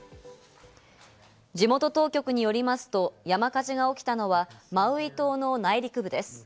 地元当局によりますと、山火事が起きたのはマウイ島の内陸部です。